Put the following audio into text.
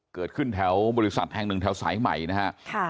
เกิดขึ้นแถวบริษัทแห่งหนึ่งแถวสายใหม่นะฮะ